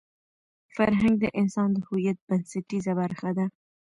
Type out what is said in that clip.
فرهنګ د انسان د هویت بنسټیزه برخه ده.